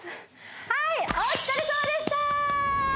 はいお疲れさまでした！